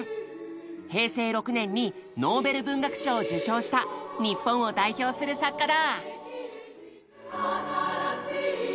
平成６年にノーベル文学賞を受賞した日本を代表する作家だ。